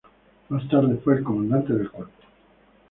Más tarde fue el comandante del cuerpo.